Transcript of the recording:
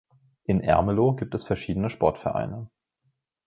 In Ermelo gibt es verschiedene Sportvereine.